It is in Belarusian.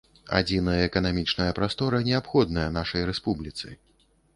Адзіная эканамічная прастора неабходная нашай рэспубліцы.